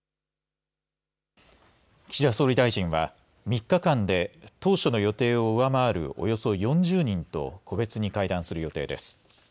岸田総理大臣は３日間で当初の予定を上回るおよそ４０人と個別に会談する予定です。